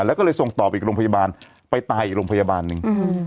แล้วก็เลยส่งต่อไปอีกโรงพยาบาลไปตายอีกโรงพยาบาลหนึ่ง